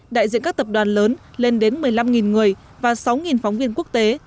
đại diện các tập đoàn lớn lên đến một mươi năm người và sáu phóng viên quốc tế